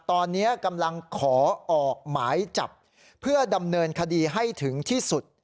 ตอนนี้กำลังขอออกหมายจับเพื่อดำเนินคดีให้ถึงที่สุด